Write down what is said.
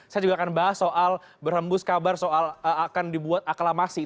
saya juga akan bahas soal berhembus kabar soal akan dibuat aklamasi